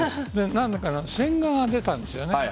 千賀が出たんですよね。